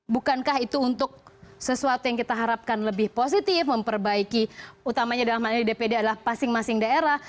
bukankah itu untuk sesuatu yang kita harapkan lebih positif memperbaiki utamanya dalam hal ini dpd adalah masing masing daerah